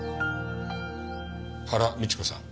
原美智子さん。